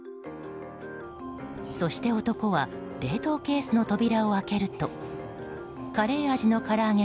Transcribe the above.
そして男は冷凍ケースの扉を開けるとカレー味の唐揚げ